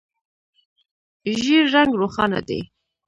ژېړ رنګ روښانه دی.